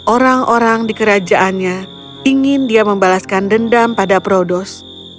orang orang di kerajaannya ingin dia membalaskan dendam pada prodos